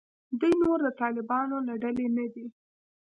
دوی نور د طالبانو له ډلې نه دي.